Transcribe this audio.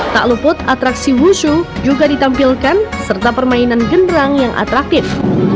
tak luput atraksi wushu juga ditampilkan serta permainan genderang yang atraktif